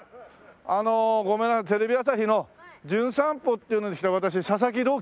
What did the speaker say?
あのごめんなさいテレビ朝日の『じゅん散歩』っていうので来た私佐々木朗